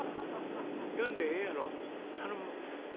呼んでええやろ？頼む」。